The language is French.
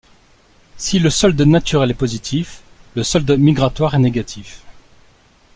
Si le solde naturel est positif, le solde migratoire est négatif.